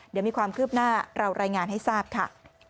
เดี๋ยวมีความคืบหน้าเรารายงานให้ทราบค่ะ